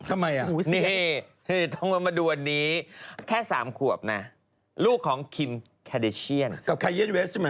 สำหรับครอบครัวของคิมเกอร์นิเชียนเนี่ยนะฮะ